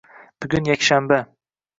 Bugun yakshanba.